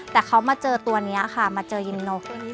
แต่เขามาเจอตัวนี้ค่ะมาเจอยินนก